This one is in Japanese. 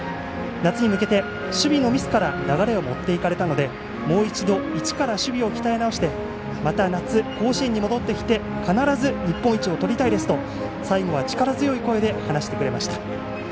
夏に向けて、守備のミスから流れを持っていかれたのでもう一度一から守備を鍛えなおしてまた夏、甲子園に戻ってきて必ず日本一をとりたいですと最後は力強い声で話してくれました。